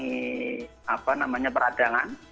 ini apa namanya peradangan